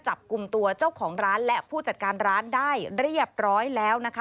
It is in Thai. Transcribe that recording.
จับกลุ่มตัวเจ้าของร้านและผู้จัดการร้านได้เรียบร้อยแล้วนะคะ